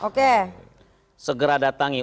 oke segera datangi